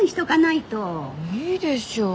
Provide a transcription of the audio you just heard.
いいでしょ。